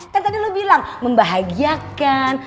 kan tadi lo bilang membahagiakan